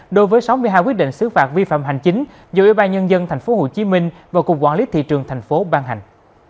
đối với sáu mươi hai quyết định xứ phạt vi phạm hành chính do ủy ban nhân dân tp hcm và cục quản lý thị trường tp hcm ban hành